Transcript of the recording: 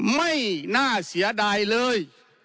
ไม่น่าเสียดายเลย